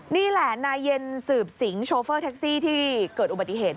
นี่แหละนายเย็นสืบสิงโชเฟอร์แท็กซี่ที่เกิดอุบัติเหตุ